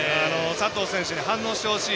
佐藤選手に反応してほしい。